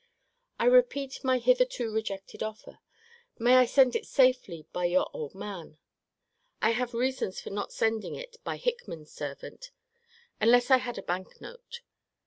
I repeat my hitherto rejected offer. May I send it safely by your old man? I have reasons for not sending it by Hickman's servant; unless I had a bank note.